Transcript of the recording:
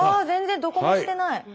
全然どこもしてない。